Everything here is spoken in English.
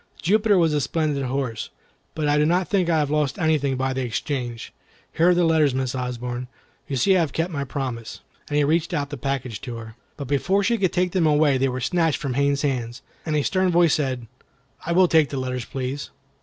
Jupiter was a splendid horse, but I do not think I lost anything by the exchange. Here are the letters, Miss Osborne; you see I have kept my promise," and he reached out the package to her. But before she could take them they were snatched from Haines's hand, and a stern voice said, "I will take the letters, please."